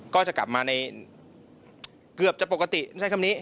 ก็จะกลับมาในเกือบจะปกติใช้คำนี้